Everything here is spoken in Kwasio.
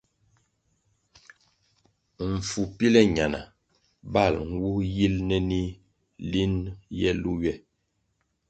Mfu píle ñana bal nwu yil nénih lin ye lu ywe.